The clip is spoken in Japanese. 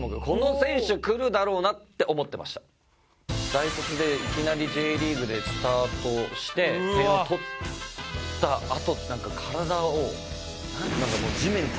大卒でいきなりＪリーグでスタートして点を取ったあと体を地面にたたきつけてワーッ！